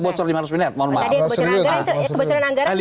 kebocoran anggaran itu kebocoran anggaran itu akan kita bahas